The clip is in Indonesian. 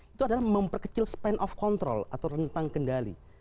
itu adalah memperkecil span of control atau rentang kendali